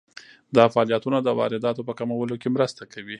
دا فعالیتونه د وارداتو په کمولو کې مرسته کوي.